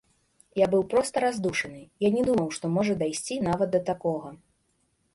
Я быў проста раздушаны, я не думаў, што можа дайсці нават да такога.